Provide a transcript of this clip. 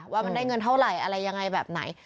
ว่ามันได้เงินเท่าไหร่อะไรยังไงแบบไหน